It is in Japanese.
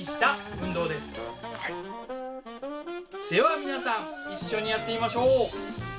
では皆さん一緒にやってみましょう。